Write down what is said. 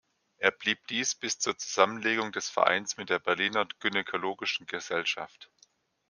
Er blieb dies bis zur Zusammenlegung des Vereins mit der Berliner gynäkologischen Gesellschaft.